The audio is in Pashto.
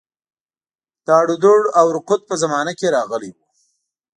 د اړودوړ او رکود په زمانه کې راغلی وو.